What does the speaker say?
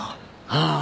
ああ。